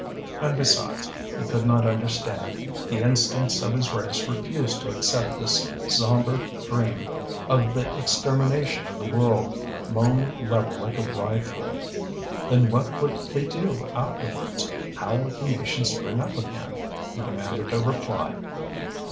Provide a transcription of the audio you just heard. And besides, he could not understand; the instincts of his race refused to accept this sombre dream of the extermination of the world, mown level like a rye field. Then what would they do afterwards? How would the nations spring up again? He demanded a reply.